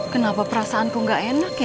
kenapa perasaanku gak enak ya